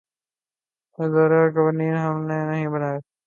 ادارے اورقوانین ہم نے نہیں بنائے‘ انگریز ہمیں دے کے گئے تھے۔